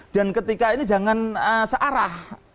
dan ketika ini jangan searah